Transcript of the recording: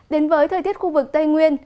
đến với thời tiết khu vực tây nguyên